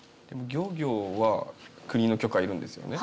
漁業は国の許可がいるんですよね。